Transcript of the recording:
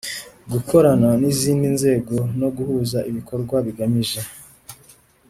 Gukorana n izindi nzego no guhuza ibikorwa bigamije